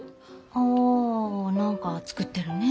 あ何か造ってるね。